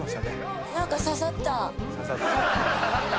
「なんか刺さった」！